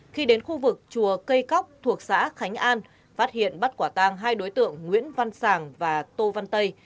khi đến khu vực chùa cây cóc thuộc xã khánh an phát hiện bắt quả tang hai đối tượng nguyễn văn sàng và tô văn tây